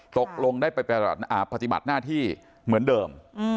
ตกลงได้ไปปฏิบัติหน้าที่เหมือนเดิม